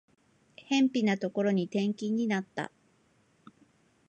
辺ぴなところに転勤になった